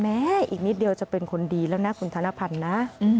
อีกนิดเดียวจะเป็นคนดีแล้วนะคุณธนพันธ์นะ